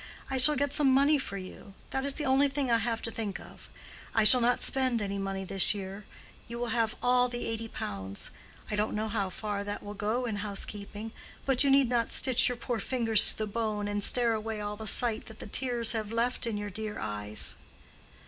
I shall get some money for you. That is the only thing I have to think of. I shall not spend any money this year: you will have all the eighty pounds. I don't know how far that will go in housekeeping; but you need not stitch your poor fingers to the bone, and stare away all the sight that the tears have left in your dear eyes."